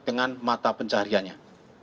dengan mata pencariannya